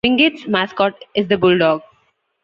Wingate's mascot is the Bulldog.